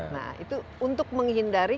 nah itu untuk menghindari